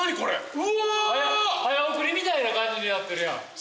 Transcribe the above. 早送りみたいな感じにやってるやん。